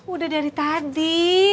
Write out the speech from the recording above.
udah dari tadi